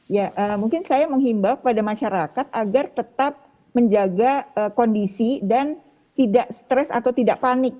ya mungkin saya menghimbau kepada masyarakat agar tetap menjaga kondisi dan tidak stres atau tidak panik